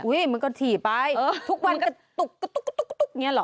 อุ๊ยมันก็ถี่ไปทุกวันกระตุกกระตุกอย่างนี้หรอ